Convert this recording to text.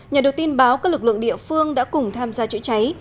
nhờ được tin báo các lực lượng địa phương đã cùng tham gia chữa cháy